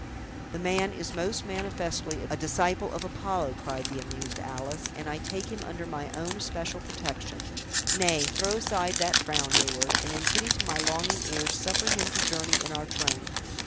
"The man is, most manifestly, a disciple of Apollo," cried the amused Alice, "and I take him under my own especial protection. Nay, throw aside that frown, Heyward, and in pity to my longing ears, suffer him to journey in our train.